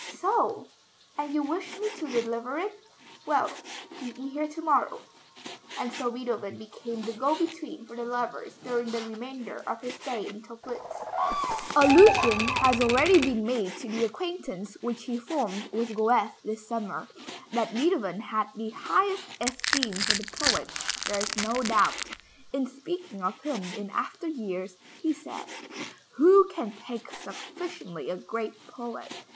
"So! And you wish me to deliver it? Well, meet me here to morrow;" and so Beethoven became the go between for the lovers during the remainder of his stay in Töplitz. Allusion has already been made to the acquaintance which he formed with Goethe this summer. That Beethoven had the highest esteem for the poet, there is no doubt. In speaking of him in after years, he said, "Who can thank sufficiently a great poet?